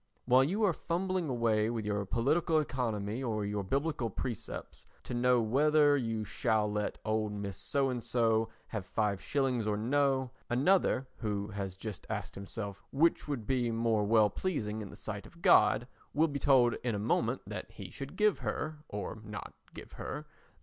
While you are fumbling away with your political economy or your biblical precepts to know whether you shall let old Mrs. So and so have 5/ or no, another, who has just asked himself which would be most well pleasing in the sight of God, will be told in a moment that he should give her—or not give her—the 5